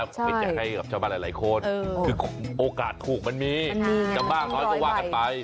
ไปแจกให้ชาวบ้านหลายคนคือโอกาสถูกมันมีชาวบ้านร้อยก็ว่ากันไป